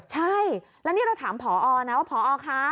ใช่แล้วนี่เราถามผอนะว่าพอคะ